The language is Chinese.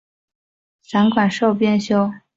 散馆授编修。